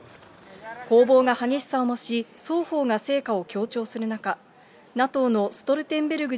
攻防が激しさを増し、双方が成果を強調する中、ＮＡＴＯのストルテンベルグ